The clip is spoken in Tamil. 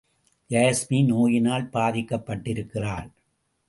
யாஸ்மி நோயினால் பாதிக்கப்பட்டிருக்கிறாள்.